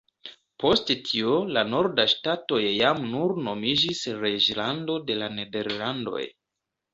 Post tio la nordaj ŝtatoj jam nur nomiĝis Reĝlando de la Nederlandoj.